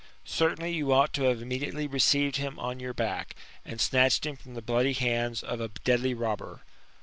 Certainly you ought to have immediately received him on your back, and snatched him from the bloody hands of a deadly robber.